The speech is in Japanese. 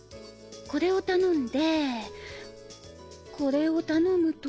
これを頼んでこれを頼むと？